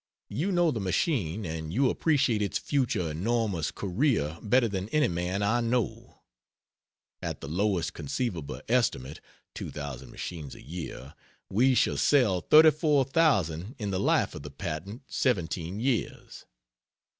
You know the machine, and you appreciate its future enormous career better than any man I know. At the lowest conceivable estimate (2,000 machines a year,) we shall sell 34,000 in the life of the patent 17 years.